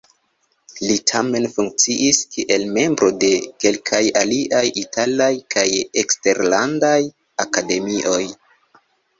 Li tamen funkciis kiel membro de kelkaj aliaj italaj kaj eksterlandaj akademioj.